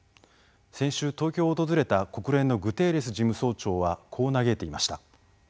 先週、東京を訪れた国連のグテーレス事務総長はこう嘆いていました。